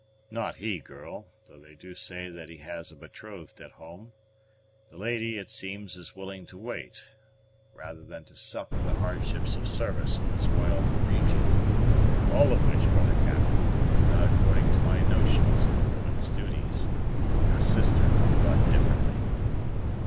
"Not he, girl; though they do say that he has a betrothed at home. The lady, it seems, is willing to wait, rather than suffer the hardships of service in this wild region; all of which, brother Cap, is not according to my notions of a woman's duties. Your sister thought differently."